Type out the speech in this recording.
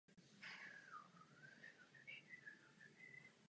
Blaho lidí musí být na prvním místě.